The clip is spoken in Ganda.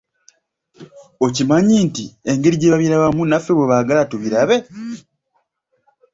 Okimanyi nti engeri gye babirabamu naffe bwe baagala tubirabe?